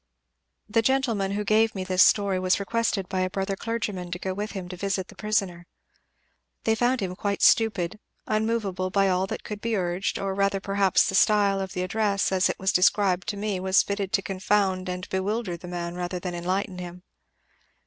"The gentleman who gave me this story was requested by a brother clergyman to go with him to visit the prisoner. They found him quite stupid unmovable by all that could be urged, or rather perhaps the style of the address, as it was described to me, was fitted to confound and bewilder the man rather than enlighten him.